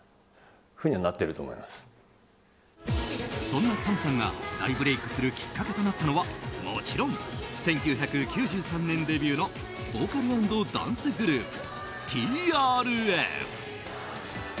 そんなＳＡＭさんが大ブレークするきっかけとなったのは、もちろん１９９３年デビューのボーカル＆ダンスグループＴＲＦ。